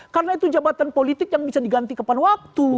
karena itu jabatan politik yang bisa diganti kapan waktu